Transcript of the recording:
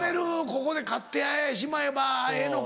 ここで勝ってしまえばええのか。